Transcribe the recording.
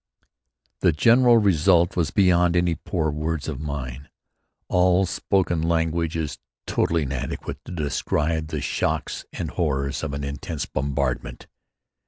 The general result was beyond any poor words of mine. All spoken language is totally inadequate to describe the shocks and horrors of an intense bombardment.